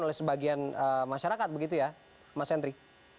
oleh sebagian masyarakat begitu ya mas henry